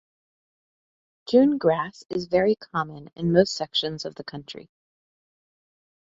June grass is very common in most sections of the country.